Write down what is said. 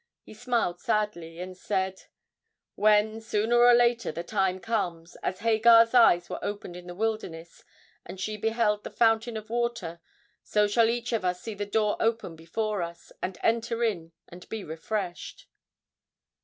He smiled sadly and said 'When, sooner or later, the time comes, as Hagar's eyes were opened in the wilderness, and she beheld the fountain of water, so shall each of us see the door open before us, and enter in and be refreshed.'